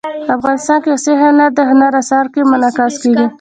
افغانستان کې وحشي حیوانات د هنر په اثار کې منعکس کېږي.